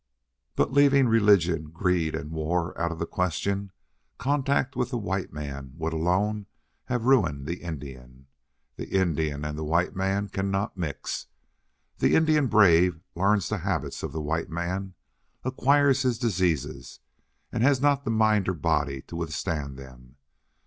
"But leaving religion, greed, and war out of the question, contact with the white man would alone have ruined the Indian. The Indian and the white man cannot mix. The Indian brave learns the habits of the white man, acquires his diseases, and has not the mind or body to withstand them.